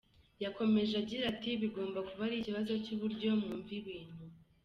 Yakomeje agira ati “Bigomba kuba ari ikibazo cy’uburyo mwumva ibintu.